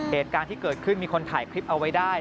เหตุการณ์ที่เกิดขึ้นมีคนถ่ายคลิปเอาไว้ได้